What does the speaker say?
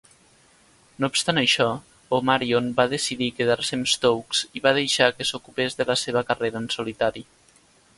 No obstant això, Omarion va decidir quedar-se amb Stokes i va deixar que s'ocupés de la seva carrera en solitari.